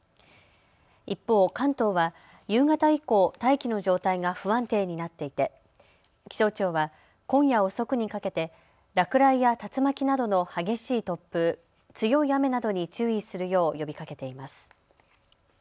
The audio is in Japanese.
一方、関東は夕方以降、大気の状態が不安定になっていて気象庁は今夜遅くにかけて落雷や竜巻などの激しい突風、強い雨などに注意するよう呼びかけています。